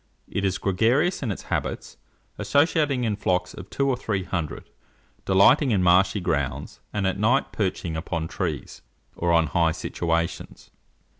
It is gregarious in its habits, associating in flocks of two or three hundred, delighting in marshy grounds, and at night perching upon trees, or on high situations.